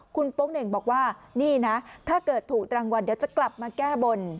คุณโป๊งเหน่งบอกว่านี่นะถ้าเกิดถูกรางวัลเดี๋ยวจะกลับมาแก้บน